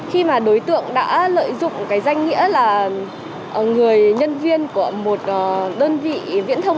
khi mà đối tượng đã lợi dụng cái danh nghĩa là người nhân viên của một đơn vị viễn thông